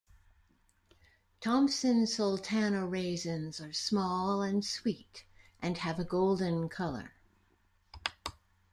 Thompson sultana raisins are small and sweet, and have a golden colour.